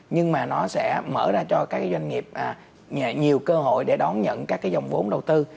nhưng mà nó sẽ mở ra cho các doanh nghiệp nhiều cơ hội để đón nhận các cái dòng vốn đầu tư